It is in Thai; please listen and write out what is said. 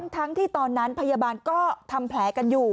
ทั้งที่ตอนนั้นพยาบาลก็ทำแผลกันอยู่